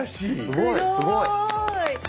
すごい。